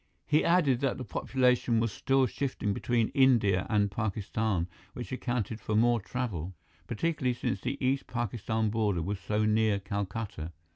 He added that the population was still shifting between India and Pakistan, which accounted for more travel, particularly since the East Pakistan border was so near Calcutta.